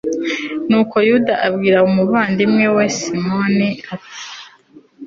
nuko yuda abwira umuvandimwe we simoni, ati